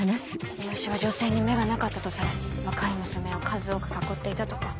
秀吉は女性に目がなかったとされ若い娘を数多く囲っていたとか。